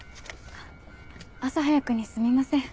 朝早くにすみません。